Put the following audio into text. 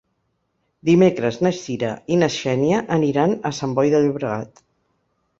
Dimecres na Sira i na Xènia aniran a Sant Boi de Llobregat.